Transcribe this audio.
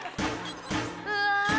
うわ！